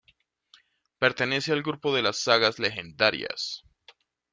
Pertenece al grupo de las sagas legendarias.